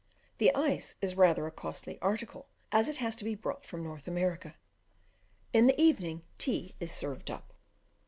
The ice is rather a costly article, as it has to be brought from North America. In the evening, tea is served up.